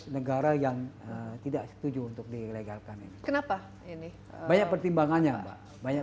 negara yang tidak setuju untuk dilegalkan ini kenapa ini banyak pertimbangannya banyak